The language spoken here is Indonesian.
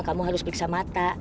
kamu harus periksa mata